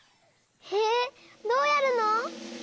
へえどうやるの？